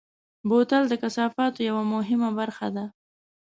بوتل د کثافاتو یوه مهمه برخه ده.